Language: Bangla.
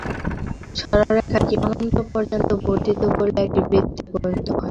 সরলরেখাকে অনন্ত পর্যন্ত বর্ধিত করিলে একটি বৃত্তেই পরিণত হয়।